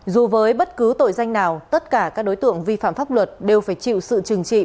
dù với bất cứ tội danh nào tất cả các đối tượng vi phạm pháp luật đều phải chịu sự trừng trị